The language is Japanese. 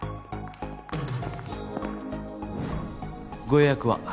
ご予約は？